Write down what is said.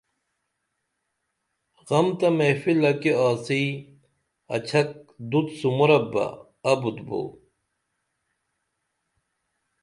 غم تہ محفلہ کی آڅی اچھک دُت سُمورپ بہ ابُت بو